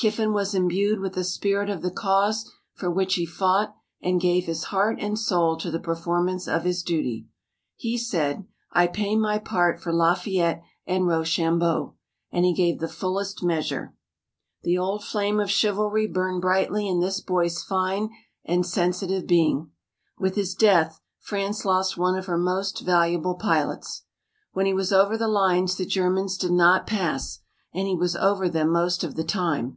Kiffin was imbued with the spirit of the cause for which he fought and gave his heart and soul to the performance of his duty. He said: "I pay my part for Lafayette and Rochambeau," and he gave the fullest measure. The old flame of chivalry burned brightly in this boy's fine and sensitive being. With his death France lost one of her most valuable pilots. When he was over the lines the Germans did not pass and he was over them most of the time.